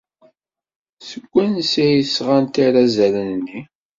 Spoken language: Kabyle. Seg wansi ay d-sɣant irazalen-nni?